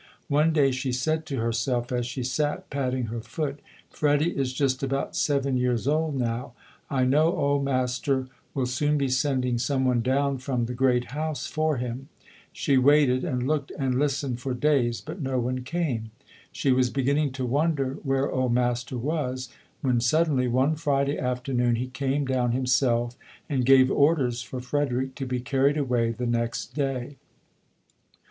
One day she said to herself as she sat patting her foot: "Freddie is just about seven years old now. I know old Mas ter will soon be sending some one down from the 'Great House' for him". She waited and looked and listened for days but no one came. She was beginning to wonder where old Master was, when suddenly one Friday afternoon he came down himself and gave orders for Frederick to be car ried away the next day.